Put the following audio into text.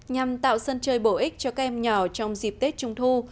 nhằm tạo sân chơi bổ ích cho các em nhỏ trong dịp tết trung thu